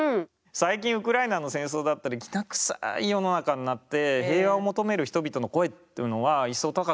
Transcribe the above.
最近ウクライナの戦争だったりきな臭い世の中になって平和を求める人々の声っていうのは一層高くなってますよね。